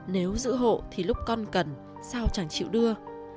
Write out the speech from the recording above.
nếu giữ hộ thì lúc con cần sao chẳng chịu đưa